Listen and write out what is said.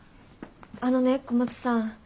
あのね小松さん。